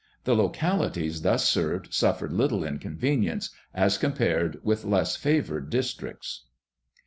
The localities thus served suffered little inconvenience, as compared with less favoured districts.